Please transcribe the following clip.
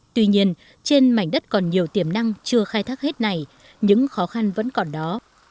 tuy nhiên trên mảnh đất còn nhiều tiềm năng chưa khai thác hết này những khó khăn vẫn còn đó